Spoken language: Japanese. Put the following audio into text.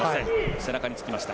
背中につきました。